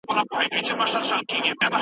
په دودیز طب کې زعفران ډېر پخوانی تاریخ لري.